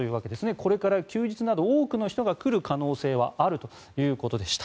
これから休日など多くの人が来る可能性はあるということでした。